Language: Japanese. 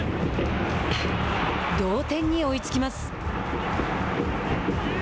同点に追いつきます。